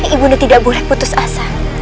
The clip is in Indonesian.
ibu ini tidak boleh putus asa